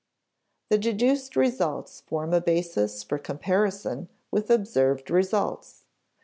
The deduced results form a basis for comparison with observed results.